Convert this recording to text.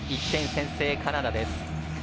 １点先制、カナダです。